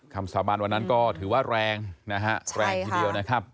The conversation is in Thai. สาบานวันนั้นก็ถือว่าแรงนะฮะแรงทีเดียวนะครับ